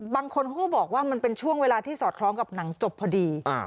บางคนเขาก็บอกว่ามันเป็นช่วงเวลาที่สอดคล้องกับหนังจบพอดี